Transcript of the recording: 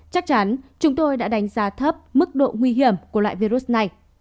chắc chắn chúng tôi đã đánh giá thấp mức độ nguy hiểm của loại virus này